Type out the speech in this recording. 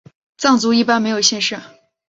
藏族一般没有姓氏。